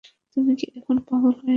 তুই কি এখন পাগল হয়ে গেছিস?